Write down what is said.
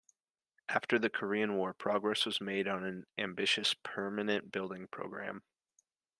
After the Korean War, progress was made on an ambitious permanent building program.